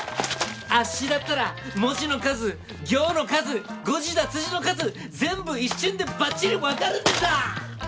あっしだったら文字の数行の数誤字脱字の数全部一瞬でばっちりわかるんですわ！